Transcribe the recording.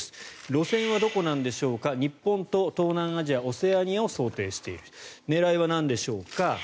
路線はどこなんでしょうか日本と東南アジアオセアニアを想定している狙いは何でしょうか